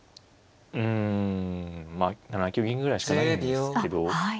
まあ７九銀ぐらいしかないんですけど。